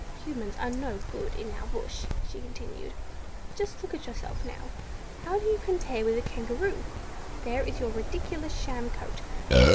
Humans are no good in our bush," she continued. "Just look at yourself now. How do you compare with a Kangaroo? There is your ridiculous sham coat.